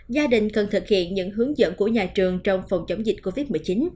gia đình cần thực hiện những hướng dẫn của nhà trường trong phòng chống dịch covid một mươi chín